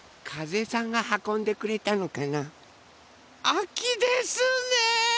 あきですね！